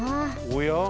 おや？